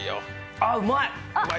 あ、うまい！